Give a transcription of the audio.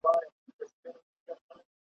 د نیکه وصیت مو خوښ دی که پر لاره به د پلار ځو `